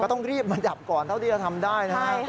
ต้องรีบมาดับก่อนเท่าที่จะทำได้นะครับ